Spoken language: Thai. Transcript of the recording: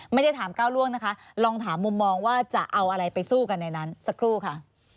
ไม่ได้ถามก้าวล่วงนะคะลองถามมุมมองว่าจะเอาอะไรไปสู้กันในนั้นสักครู่ค่ะ